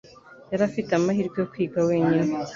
Yari afite amahirwe yo kwiga wenyine